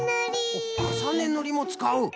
おっかさねぬりもつかう？